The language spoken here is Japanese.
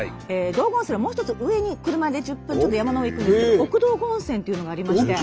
道後温泉のもう一つ上に車で１０分ちょっと山の上へ行くんですけど奥道後温泉というのがありまして。